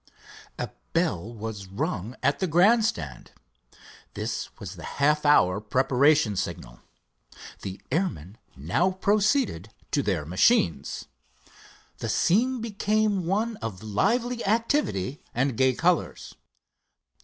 A bell was rung at the grandstand. This was the half hour preparation signal. The airmen now proceeded to their machines. The scene became one of lively activity and gay colors.